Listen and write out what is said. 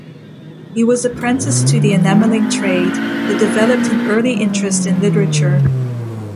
He was apprenticed to the enamelling trade, but developed an early interest in literature.